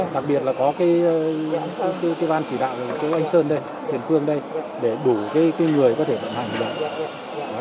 đặc biệt là có cái ban chỉ đạo của anh sơn đây tiền phương đây để đủ cái người có thể hành động